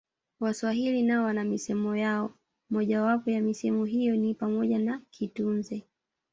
Waswahili nao wana misemo yao Moja wapo ya misemo hiyo ni pamoja na kitunze